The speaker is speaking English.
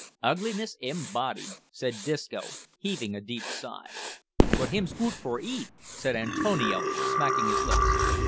"Ugliness embodied!" said Disco, heaving a deep sigh. "But him's goot for eat," said Antonio, smacking his lips.